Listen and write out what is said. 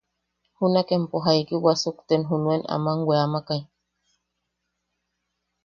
–¿Junak empo jaiki wasukten junuen ama weamakai?